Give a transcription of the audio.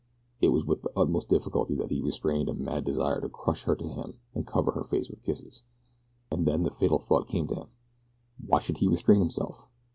It was with the utmost difficulty that he restrained a mad desire to crush her to him and cover her face with kisses. And then the fatal thought came to him why should he restrain himself?